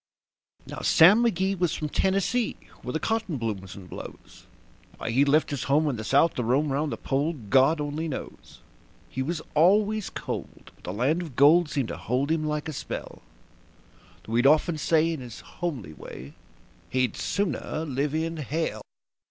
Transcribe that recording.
Now Sam McGee was from Tennessee, where the cotton blooms and blows. Why he left his home in the South to roam 'round the Pole, God only knows. He was always cold, but the land of gold seemed to hold him like a spell; Though he'd often say in his homely way that he'd "sooner live in hell".